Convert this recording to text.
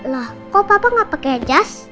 nah kok papa nggak pakai jas